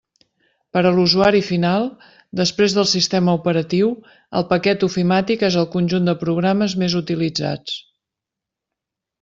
Per a l'usuari final, després del sistema operatiu, el paquet ofimàtic és el conjunt de programes més utilitzats.